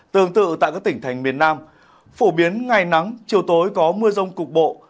tương tự tại các tỉnh thành miền nam phổ biến ngày nắng chiều tối có mưa rông cục bộ